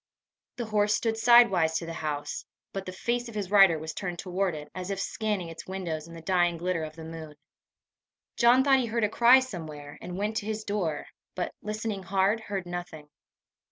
The horse stood sidewise to the house, but the face of his rider was turned toward it, as if scanning its windows in the dying glitter of the moon. John thought he heard a cry somewhere, and went to his door, but, listening hard, heard nothing.